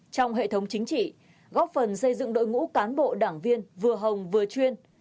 trong hệ thống chính trị góp phần xây dựng đội ngũ cán bộ đảng viên vừa hồng vừa chuyên